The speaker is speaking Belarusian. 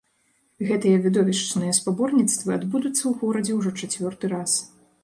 Гэтыя відовішчныя спаборніцтвы адбудуцца ў горадзе ўжо чацвёрты раз.